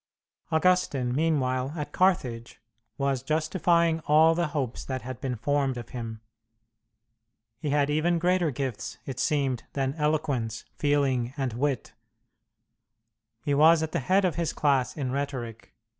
Augustine, meanwhile, at Carthage, was justifying all the hopes that had been formed of him. He had even greater gifts, it seemed, than eloquence, feeling, and wit. He was at the head of his class in rhetoric.